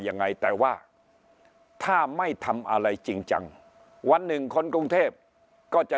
ยังไงแต่ว่าถ้าไม่ทำอะไรจริงจังวันหนึ่งคนกรุงเทพก็จะ